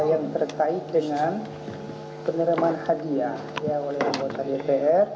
yang terkait dengan penerimaan hadiah oleh anggota dpr